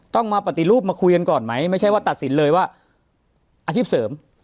ต้องมาปฏิรูปมาคุยกันก่อนไหมไม่ใช่ว่าตัดสินเลยว่าอาชีพเสริม